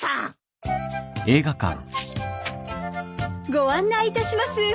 ご案内いたします。